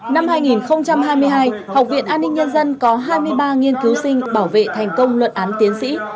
năm hai nghìn hai mươi hai học viện an ninh nhân dân có hai mươi ba nghiên cứu sinh bảo vệ thành công luận án tiến sĩ